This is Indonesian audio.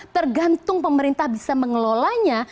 tergantung pemerintah bisa mengelolanya